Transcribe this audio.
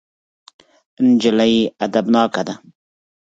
نجلۍ ادبناکه ده.